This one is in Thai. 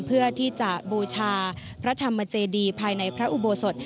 เพื่อที่จะบูชาพระธรรมเจดีภายในพระอุโบสถ